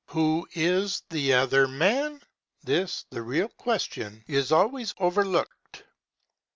Who is the other man? This, the real question, is always overlooked.